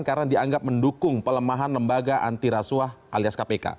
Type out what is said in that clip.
karena dianggap mendukung pelemahan lembaga anti rasuah alias kpk